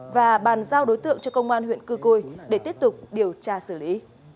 và bàn giao đối tượng cho công an huyện cư ci để tiếp tục điều tra xử lý